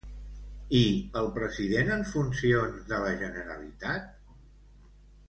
I el president en funcions de la Generalitat?